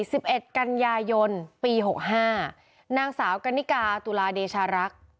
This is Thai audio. สิบเอ็ดกันยายนปีหกห้านางสาวกันนิกาตุลาเดชารักษ์